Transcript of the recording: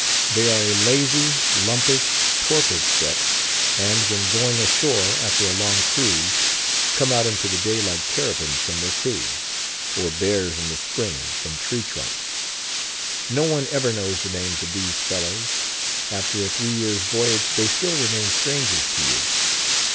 They are a lazy, lumpish, torpid set; and when going ashore after a long cruise, come out into the day like terrapins from their caves, or bears in the spring, from tree trunks. No one ever knows the names of these fellows; after a three years' voyage, they still remain strangers to you.